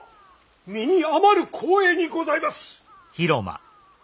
身に余る光栄にございます！